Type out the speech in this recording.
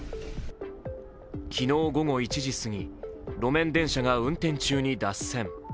昨日午後１時過ぎ、路面電車が運転中に脱線。